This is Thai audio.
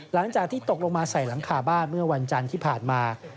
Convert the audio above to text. หลังจากที่ตกลงมาใส่หลังคาบ้านเมื่อวันจันทร์ที่ผ่านมา